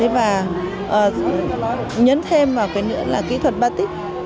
và nhấn thêm vào cái nữa là kỹ thuật batics